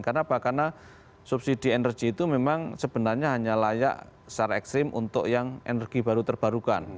karena apa karena subsidi energi itu memang sebenarnya hanya layak secara ekstrim untuk yang energi baru terbarukan